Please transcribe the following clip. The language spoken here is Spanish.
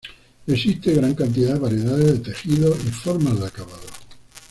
Existe gran cantidad de variedades de tejidos y formas de acabado.